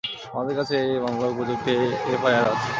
আমাদের কাছে এই মামলার উপযুক্ত একটি এফআইআর আছে।